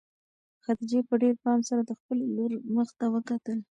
خدیجې په ډېر پام سره د خپلې لور مخ ته وکتل.